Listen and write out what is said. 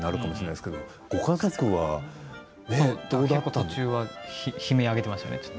途中は悲鳴を上げていましたね。